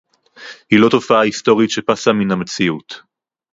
היא לא תופעה היסטורית שפסה מן המציאות